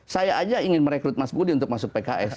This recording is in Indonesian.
saya aja ingin merekrut mas budi untuk masuk pks